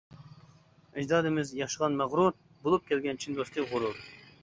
ئەجدادىمىز ياشىغان مەغرۇر، بولۇپ كەلگەن چىن دوستى غۇرۇر.